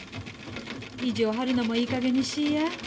意地を張るのもいいかげんにしいや。